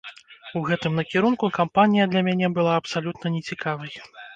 У гэтым накірунку кампанія для мяне была абсалютна нецікавай.